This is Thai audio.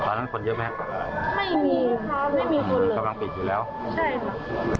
ซึ่งเรื่อนี้ทางพ๔๕๕บรศนมานะครับ